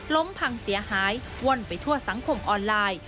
พังเสียหายว่อนไปทั่วสังคมออนไลน์